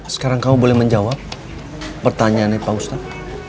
sekarang kamu boleh menjawab pertanyaannya pak ustadz